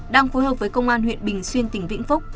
đang phối hợp với công an huyện bình xuyên tỉnh vĩnh phúc